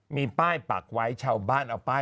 มีป้ายปักไว้ชาวบ้านเอาป้าย